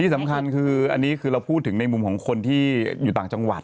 สำคัญคืออันนี้คือเราพูดถึงในมุมของคนที่อยู่ต่างจังหวัด